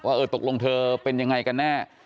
ว่าเออตกลงเธอเป็นอย่างไรกันแน่